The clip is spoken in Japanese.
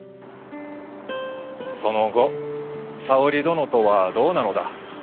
その後沙織殿とはどうなのだ？